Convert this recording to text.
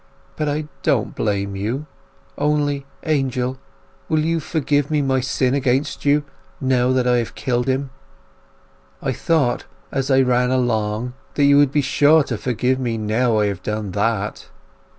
But I don't blame you; only, Angel, will you forgive me my sin against you, now I have killed him? I thought as I ran along that you would be sure to forgive me now I have done that.